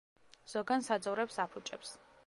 ზოგან საძოვრებს აფუჭებს.